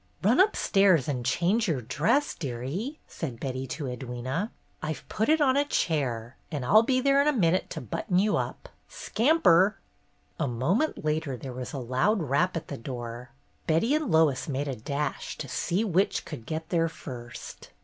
" Run upstairs and change your dress, dearie," said Betty to Edwyna. ''I've put it on a chair, and I'll be there in a minute to button you up. Scamper!" A moment later there was a loud rap at the door. Betty and Lois made a dash to see which could get there first.